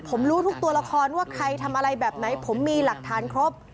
ผมรู้ทุกตัวละครว่าใครทำอะไรแบบไหนผมมีหลักฐานครบ